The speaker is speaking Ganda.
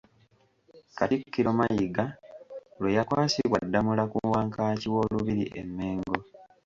Katikkiro Mayiga lwe yakwasibwa Ddamula ku Wankaaki w'Olubiri e Mmengo.